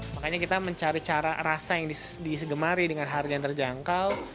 makanya kita mencari cara rasa yang disegemari dengan harga yang terjangkau